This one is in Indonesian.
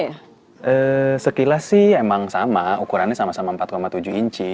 kalau sekilas sih emang sama ukurannya sama sama empat tujuh inci